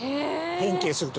変形すると。